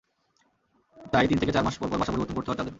তাই তিন থেকে চার মাস পরপর বাসা পরিবর্তন করতে হচ্ছে তাদের।